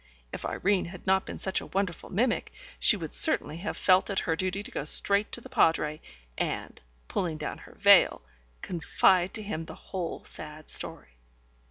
If Irene had not been such a wonderful mimic, she would certainly have felt it her duty to go straight to the Padre, and, pulling down her veil, confide to him the whole sad story.